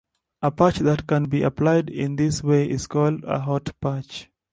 A patch that can be applied in this way is called a "hot patch".